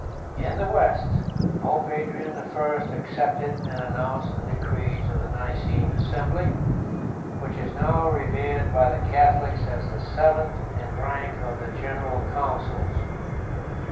In the West, Pope Adrian the First accepted and announced the decrees of the Nicene assembly, which is now revered by the Catholics as the seventh in rank of the general councils.